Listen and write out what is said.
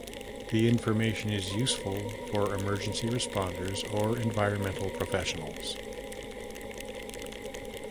The information is useful for emergency responders or environmental professionals.